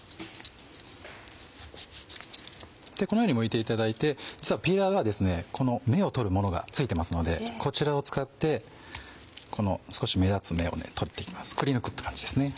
このようにむいていただいてピーラーは芽を取るものが付いてますのでこちらを使って少し目立つ芽を取って行きます。